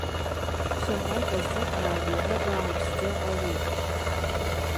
Ԥхынрак азы аарҩара бааԥсӡа ҟалеит.